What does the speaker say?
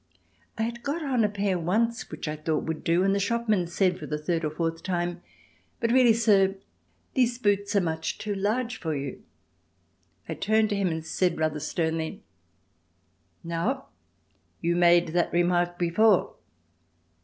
I had got on a pair once which I thought would do, and the shopman said for the third or fourth time: "But really, sir, these boots are much too large for you." I turned to him and said rather sternly, "Now, you made that remark before."